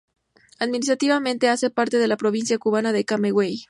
Administrativamente hace parte de la provincia cubana de Camagüey.